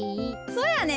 そやねん。